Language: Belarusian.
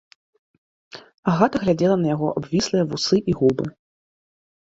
Агата глядзела на яго абвіслыя вусы і губы.